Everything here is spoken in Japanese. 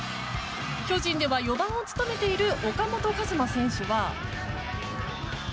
巨人では４番を務めている岡本和真選手は。